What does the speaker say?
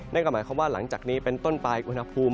นั่นก็หมายความว่าหลังจากนี้เป็นต้นไปอุณหภูมิ